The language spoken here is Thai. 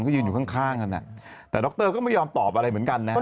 ก็ยืนอยู่ข้างนั่นแหละแต่ดอกเตอร์ก็ไม่ยอมตอบอะไรเหมือนกันนะครับ